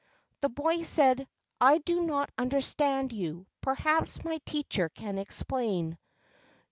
The boy said, "I do not understand you; perhaps my teacher can explain."